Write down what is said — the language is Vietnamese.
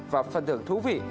và phần thưởng thú vị